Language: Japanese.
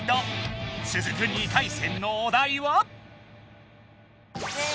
続く２回戦のお題は？せの！